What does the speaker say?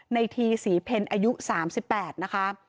ในทีสีเพ้นอายุสามสิบแปดนะคะ